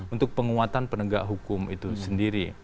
untuk penguatan penegak hukum itu sendiri